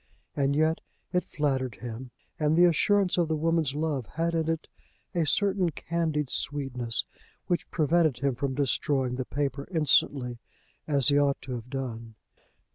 And yet it flattered him, and the assurance of the woman's love had in it a certain candied sweetness which prevented him from destroying the paper instantly, as he ought to have done.